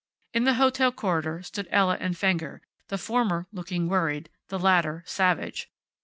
In the hotel corridor stood Ella and Fenger, the former looking worried, the latter savage.